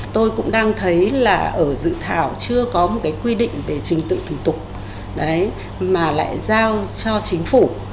tôi cũng đang thấy là ở dự thảo chưa có một cái quy định về trình tự thủ tục mà lại giao cho chính phủ